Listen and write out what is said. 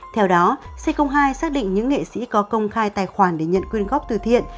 theo đó c hai xác định những nghệ sĩ có công khai tài khoản để nhận quyên góp từ thiện